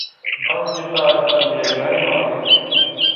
Bas?it?ristam bija gari mati.